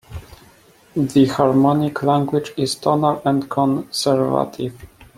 The harmonic language is tonal and conservative.